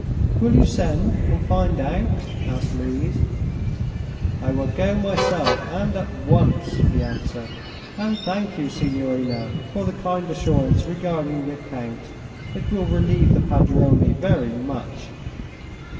"Will you send and find out?" asked Louise. "I will go myself, and at once," he answered. "And thank you, signorina, for the kind assurance regarding the account. It will relieve the padrone very much."